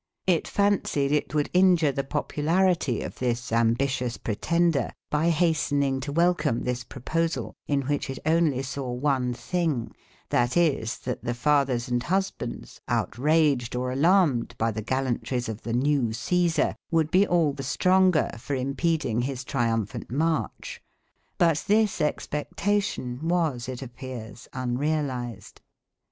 It fancied it would injure the popularity of this ambitious pretender by hastening to welcome this proposal in which it only saw one thing, that is, that the fathers and husbands, outraged or alarmed by the gallantries of the new Cæsar, would be all the stronger for impeding his triumphant march. But this expectation was, it appears, unrealised.